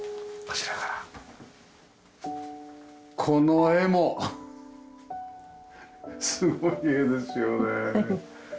この画もすごい画ですよね。